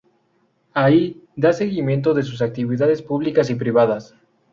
Ahí, da seguimiento de sus actividades públicas y privadas.